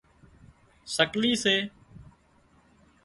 سڪلي سي